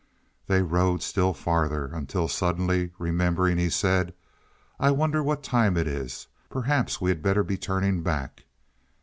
They rode still farther, until suddenly remembering, he said: "I wonder what time it is. Perhaps we had better be turning back.